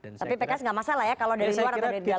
tapi pks nggak masalah ya kalau dari luar atau dari dalam